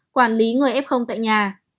quản lý người f tại nhà